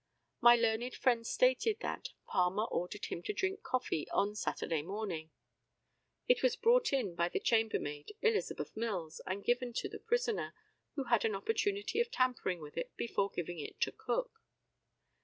My learned friend stated that, "Palmer ordered him coffee on Saturday morning; it was brought in by the chambermaid Elizabeth Mills, and given to the prisoner, who had an opportunity of tampering with it before giving it to Cook."